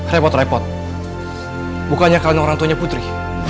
repot repot bukannya kalian orang tuanya putri